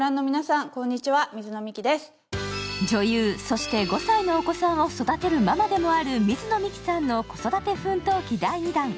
女優、そして５歳のお子さんを育てるママでもある水野美紀さんの子育て奮闘記第２弾